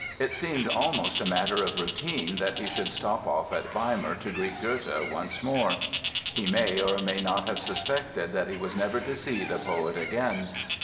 It seemed almost a matter of routine that he should stop off at Weimar to greet Goethe once more. He may or may not have suspected that he was never to see the poet again.